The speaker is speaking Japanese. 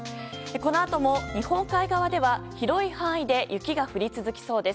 このあとも日本海側では広い範囲で雪が降り続きそうです。